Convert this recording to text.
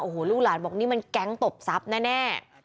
โอ้โหลูกหลานบอกนี่มันแก๊งตบทรัพย์แน่